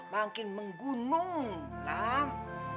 makin menggunung nam